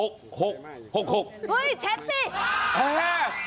เช็ดสิ